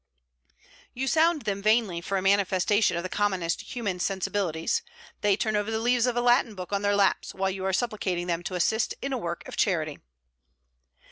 You sound them vainly for a manifestation of the commonest human sensibilities, They turn over the leaves of a Latin book on their laps while you are supplicating them to assist in a work of charity!